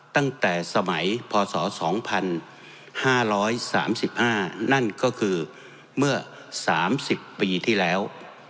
ตั้งแต่สมัยพศ๒๕๓๕นั่นก็คือเมื่อ๓๐ปีที่แล้ว